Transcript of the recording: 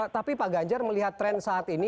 tapi pak ganjar melihat tren saat ini